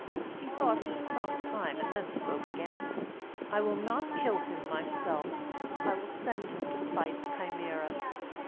He thought for some time and then spoke again: "I will not kill him myself. I will send him to fight the Chimæra."